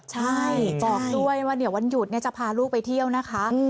ใช่บอกด้วยว่าเดี๋ยววันหยุดจะพาลูกไปเที่ยวนะคะ